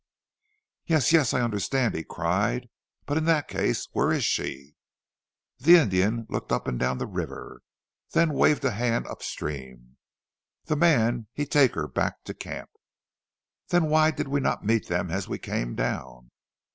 "Yes, yes, I understand," he cried, "but in that case where is she?" The Indian looked up and down the river, then waved a hand upstream. "The man he take her back to camp." "Then why did we not meet them as we came down?"